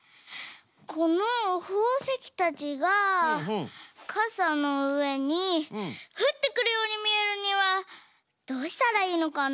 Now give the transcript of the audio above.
このほうせきたちがかさのうえにふってくるようにみえるにはどうしたらいいのかな？